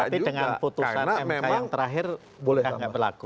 tapi dengan putusan mk yang terakhir berlaku